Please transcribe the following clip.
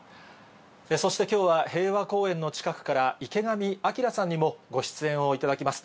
そしてきょうは、平和公園の近くから、池上彰さんにもご出演をいただきます。